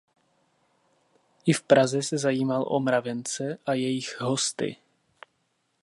I v Praze se zajímal o mravence a jejich hosty.